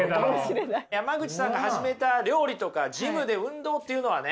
山口さんが始めた料理とかジムで運動っていうのはね